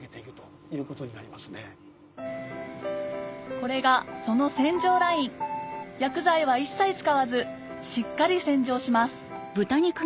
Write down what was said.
これがその洗浄ライン薬剤は一切使わずしっかり洗浄します